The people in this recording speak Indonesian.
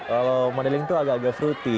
kalau mandeling itu agak agak fruity